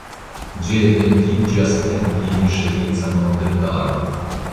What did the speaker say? Ĝi etendiĝas en Jeviŝovica montetaro.